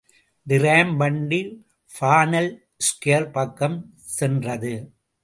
DRAM வண்டி Parnell square பக்கம் சென்றது.